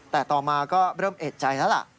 แต่ต่อมาก็เริ่มเอกใจแล้วล่ะ